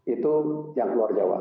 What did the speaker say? itu yang keluar jawa